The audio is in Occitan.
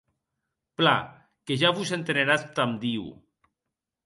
Plan, que ja vos enteneratz damb Diu.